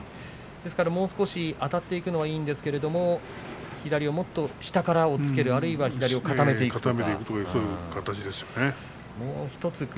ですからあたっていくのはいいんですけれども左をもっと下から押っつけるあるいは左を固めていく。